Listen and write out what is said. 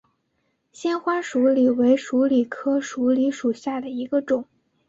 纤花鼠李为鼠李科鼠李属下的一个种。